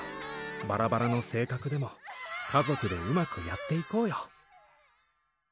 バラバラの性格でも家族でうまくやっていこうよ。